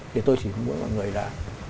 thì tôi chỉ muốn mọi người là